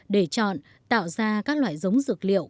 để chọn tạo ra các loại giống dược liệu